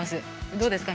どうですか？